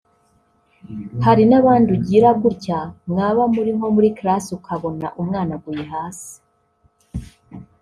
Hari n’abandi ugira gutya mwaba muri nko muri class ukabona umwana aguye hasi